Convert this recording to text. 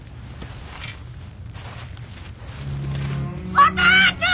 お父ちゃん！